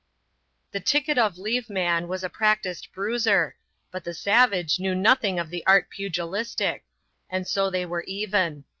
The Ticket of Leave Man was a practised bruiser ; but the savage knew nothing of the art pugilistic : and so they were even.